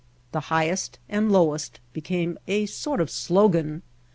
The highest and lowest became a sort of slogan.